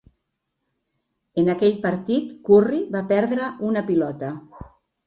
En aquell partit, Curry va perdre una pilota.